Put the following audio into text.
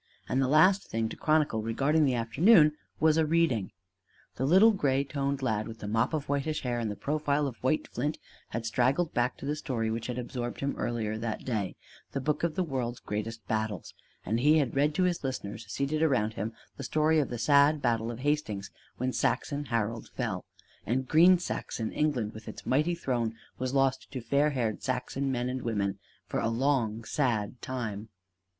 And the last thing to chronicle regarding the afternoon was a reading. The little gray toned lad with the mop of whitish hair and the profile of white flint had straggled back to the story which had absorbed him earlier that day The Book of the World's Great Battles; and he had read to his listeners seated around him the story of the sad battle of Hastings when Saxon Harold fell, and green Saxon England with its mighty throne was lost to fair haired Saxon men and women for a long, sad time.